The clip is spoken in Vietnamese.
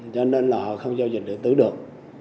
cho nên là họ không giao dịch điện tử được